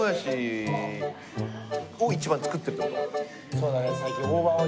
そうだね。